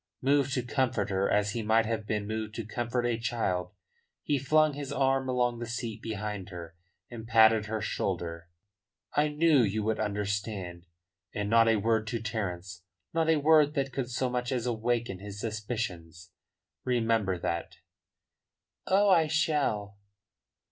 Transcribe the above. Moved to comfort her as he might have been moved to comfort a child, he flung his arm along the seat behind her, and patted her shoulder soothingly. "I knew you would understand. And not a word to Terence, not a word that could so much as awaken his suspicions. Remember that." "Oh, I shall."